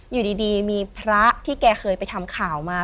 อยู่ดีมีพระที่แกเคยไปทำข่าวมา